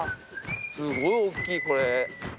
すごいおっきいこれ。